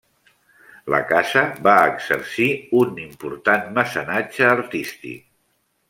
La casa va exercir un important mecenatge artístic.